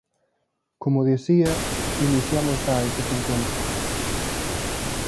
Como dicía, iniciamos xa eses encontros.